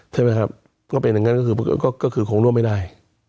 ใช่ไหมครับก็เป็นอย่างนั้นก็คือคงร่วมไม่ได้